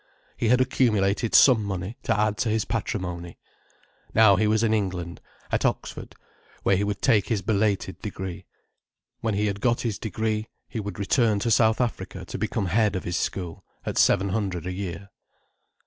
He had accumulated some money, to add to his patrimony. Now he was in England, at Oxford, where he would take his belated degree. When he had got his degree, he would return to South Africa to become head of his school, at seven hundred a year.